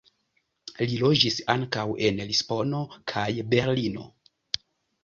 Li loĝis ankaŭ en Lisbono kaj Berlino.